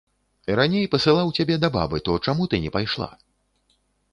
Раней пасылаў цябе да бабы, то чаму ты не пайшла?